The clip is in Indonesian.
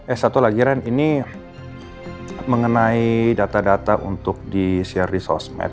eh satu lagi ren ini mengenai data data untuk di share di sosmed